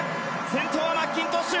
先頭はマッキントッシュ。